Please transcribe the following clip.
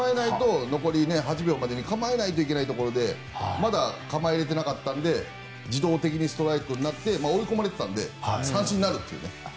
残り８秒までに構えないといけないところでまだ、構えられていなかったので自動的にストライクになって追い込まれていたので三振になるという。